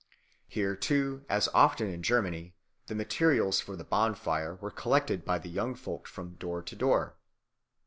Here too, as often in Germany, the materials for the bonfire were collected by the young folk from door to door.